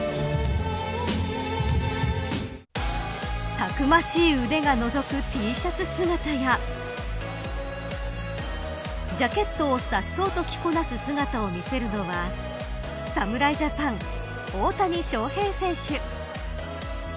たくましい腕がのぞくＴシャツ姿やジャケットをさっそうと着こなす姿を見せるのは侍ジャパン、大谷翔平選手。